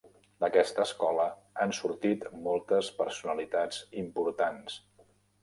D'aquesta escola han sortit moltes personalitats importants.